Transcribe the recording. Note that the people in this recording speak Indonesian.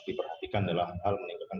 diperhatikan adalah hal meningkatkan